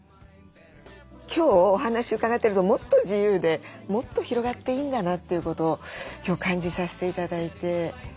今日お話伺ってるともっと自由でもっと広がっていいんだなということを今日感じさせて頂いて。